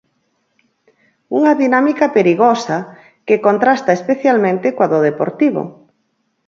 Unha dinámica perigosa, que contrasta especialmente coa do Deportivo.